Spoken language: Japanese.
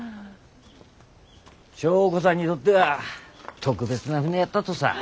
祥子さんにとっては特別な船やったとさ。